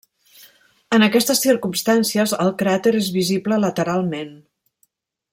En aquestes circumstàncies el cràter és visible lateralment.